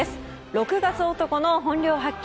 ６月男の本領発揮！